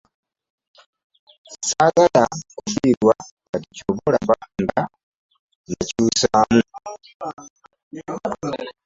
Sagala kufiirwa kati kyovolaba nga nkyusaamu .